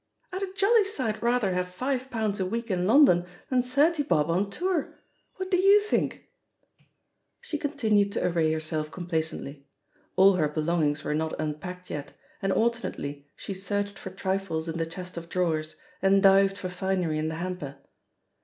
"I'd a jolly sight rather have five pounds a week in London than thirty bob on tour I What do yot^ think?" She continued to array herself complacently. All her belongings were not unpacked yet, and alternately she searched for trifles in the chest of drawers, and dived for finery in the hamper.